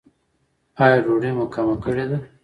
ایا ډوډۍ مو کمه کړې ده؟